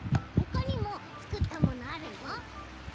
ほかにもつくったものあるの？